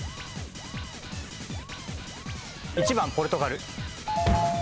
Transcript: １番ポルトガル。